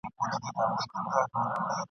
ړوند په څراغ څه کوي ..